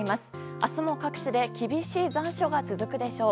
明日も各地で厳しい残暑が続くでしょう。